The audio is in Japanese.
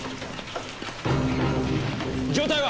状態は？